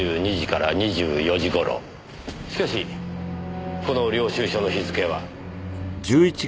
しかしこの領収書の日付は。